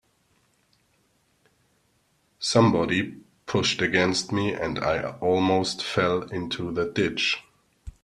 Somebody pushed against me, and I almost fell into the ditch.